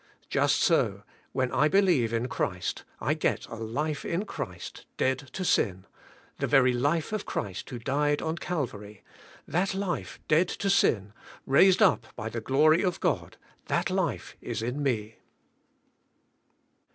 Just so, when I believe in Christ, I get a life in Christ dead to sin, the very life of Christ who died on Calvary, that life dead to sin, raised up by the glory of God, that life is in me.